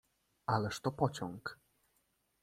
"Ależ to pociąg!"